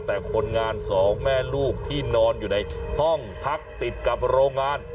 แต่คนงานสองแม่ลูกที่นอนอยู่ในห้องพักติดกับโรงงาน